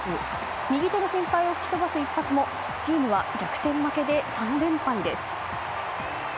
右手の心配を吹き飛ばす一発もチームは逆転負けで３連敗です。